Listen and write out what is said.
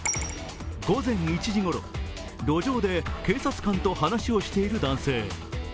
午前１時ごろ、路上で警察官と話をしている男性。